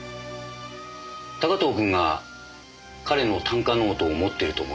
高塔君が彼の短歌ノートを持っていると思います。